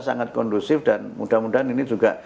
sangat kondusif dan mudah mudahan ini juga